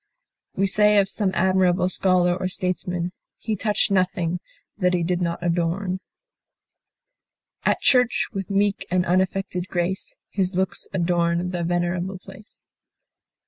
We say of some admirable scholar or statesman, "he touched nothing that he did not adorn." At church, with meek and unaffected grace, His looks adorned the venerable place.